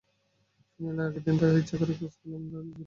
ফাইনালের আগের দিন তাই ইচ্ছা করেই কোচ গোলাম জিলানী অনুশীলন রাখেননি।